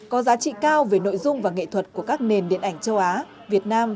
có giá trị cao về nội dung và nghệ thuật của các nền điện ảnh châu á việt nam